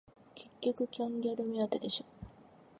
結局キャンギャル目当てでしょ